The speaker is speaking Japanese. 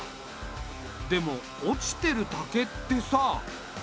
でも落ちてる竹ってさ。